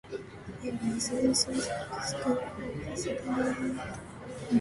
There is also a sport school for physically disabled people.